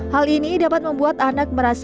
hal ini dapat membuat anak berusaha menurut suhu tubuh